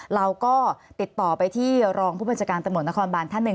เราก็ติดต่อไปที่รองผู้บัญชาการตำรวจนครบานท่านหนึ่ง